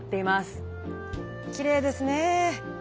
きれいですね。